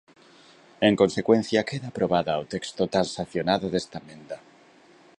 En consecuencia, queda aprobada o texto transaccionado desta emenda.